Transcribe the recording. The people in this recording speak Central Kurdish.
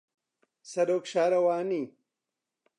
سەرۆک شارەوانی